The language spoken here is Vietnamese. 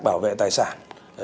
bảo vệ tài sản